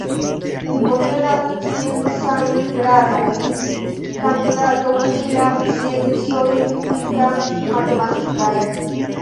Li posedas sciencan gradon “kandidato pri la sciencoj fizika-matematikaj”.